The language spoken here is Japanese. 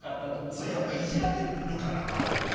そうやっぱりイジられるから周りにね。